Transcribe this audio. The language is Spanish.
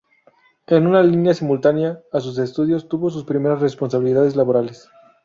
En una línea simultánea a sus estudios tuvo sus primeras responsabilidades laborales.